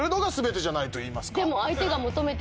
でも。